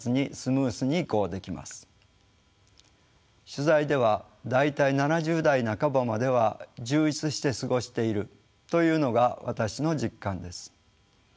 取材では大体７０代半ばまでは充実して過ごしているというのが私の実感です。